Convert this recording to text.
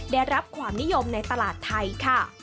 ได้รับความนิยมในตลาดไทยค่ะ